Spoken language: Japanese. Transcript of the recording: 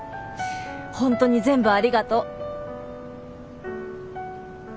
本当に全部ありがとう。